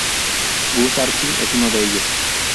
Gus Archie es uno de ellos.